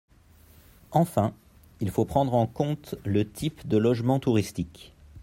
Enfin, il faut prendre en compte le type de logement touristique.